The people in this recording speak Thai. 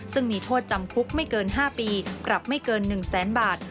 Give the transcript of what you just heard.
ซึ่งมีโทษจำคุกไม่เกิน๕ปีปรับไม่เกิน๑แสนบาท